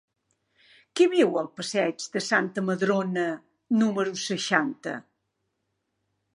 Qui viu al passeig de Santa Madrona número seixanta?